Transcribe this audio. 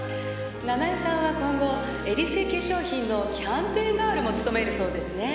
ナナエさんは今後エリセ化粧品のキャンペーンガールも務めるそうですね。